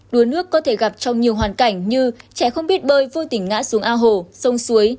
đuối nước có thể gặp trong nhiều hoàn cảnh như trẻ không biết bơi vô tình ngã xuống ao hồ sông suối